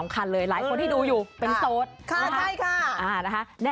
ค่ะ